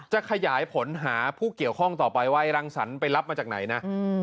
จะขยายผลหาผู้เกี่ยวข้องต่อไปว่ารังสรรค์ไปรับมาจากไหนนะ